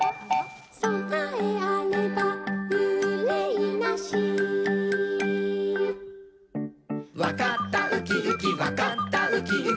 「そなえあればうれいなし」「わかったウキウキわかったウキウキ」